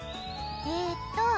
えっと